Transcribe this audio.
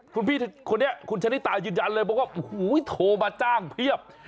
คุณพี่คนนี้คุณชะนิตายืนยันเลยบอกว่าโอ้โหโทรมาจ้างเพียบ